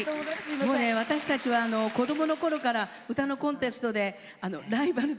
もうね私たちは子どもの頃から歌のコンテストでライバル同士だったんですよ。